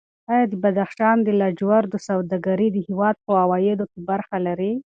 ایا د بدخشان د لاجوردو سوداګري د هېواد په عوایدو کې برخه لري؟